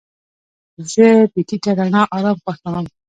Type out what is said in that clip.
زه د ټیټه رڼا آرام خوښوم.